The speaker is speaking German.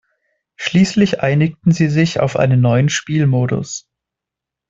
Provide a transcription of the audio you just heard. Schließlich einigten sie sich auf einen neuen Spielmodus.